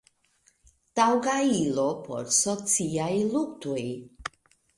taŭga ilo por sociaj luktoj".